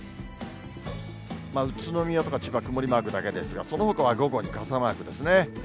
宇都宮とか千葉、曇りマークだけですが、そのほかは午後に傘マークですね。